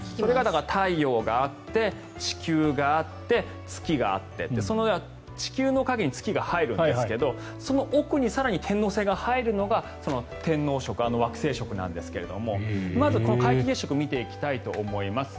太陽があって地球があって月があってって地球の影に月が入るんですがその奥に更に天王星が入るのが天皇食、惑星食なんですがまず皆既月食を見ていきたいと思います。